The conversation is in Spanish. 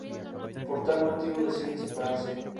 Por tal motivo deciden separarse.